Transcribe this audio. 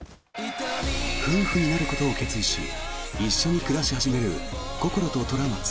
夫婦になることを決意し一緒に暮らし始めるこころと虎松。